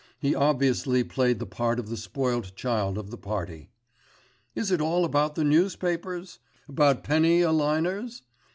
He obviously played the part of the spoilt child of the party. 'Is it all about the newspapers? About penny a liners?